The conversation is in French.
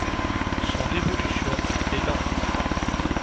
Son évolution est lente.